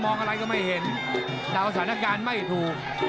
อะไรก็ไม่เห็นเดาสถานการณ์ไม่ถูก